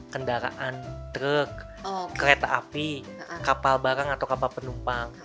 kendaraan truk kereta api kapal barang atau kapal penumpang